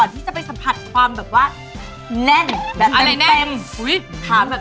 เธอจะมาตอบ๑๕คำถามลับแบบอัลเดิร์นสารบ่าว